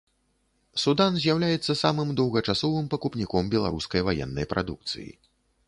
Судан з'яўляецца самым доўгачасовым пакупніком беларускай ваеннай прадукцыі.